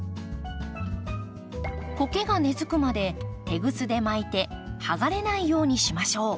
コケが根づくまでテグスで巻いて剥がれないようにしましょう。